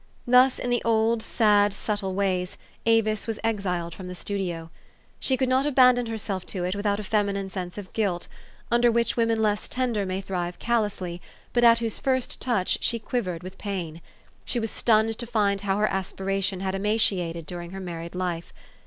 Thus, in the old, sad, subtle ways, Avis was exiled from the studio. She could not abandon herself to it without a feminine sense of guilt, under which women less tender may thrive callously, but at whose first touch she quivered with pain. She was stunned to find how her aspiration had ema ciated during her married life.